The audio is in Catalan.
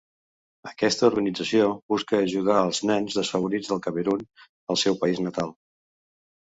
Aquesta organització busca ajudar als nens desfavorits del Camerun, el seu país natal.